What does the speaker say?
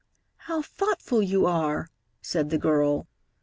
"How thoughtful you are!" said the girl.